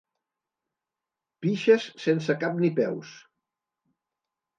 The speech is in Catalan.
Pixes sense cap ni peus.